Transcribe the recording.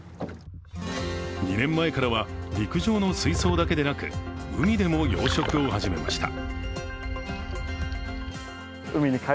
２年前からは陸上の水槽だけでなく海でも養殖を始めました。